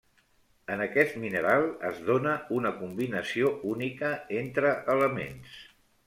En aquest mineral es dóna una combinació única entre elements.